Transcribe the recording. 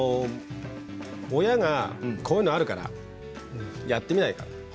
親が、こういうのあるからやってみないか？